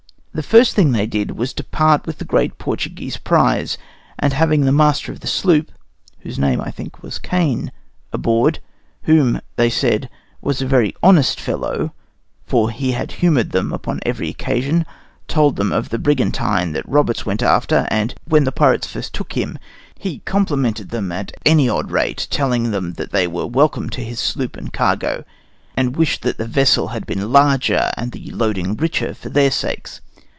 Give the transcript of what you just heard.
The first thing they did was to part with the great Portuguese prize, and having the master of the sloop (whose name, I think, was Cane) aboard, who, they said, was a very honest fellow for he had humored them upon every occasion told them of the brigantine that Roberts went after; and when the pirates first took him he complimented them at any odd rate, telling them they were welcome to his sloop and cargo, and wished that the vessel had been larger and the loading richer for their sakes.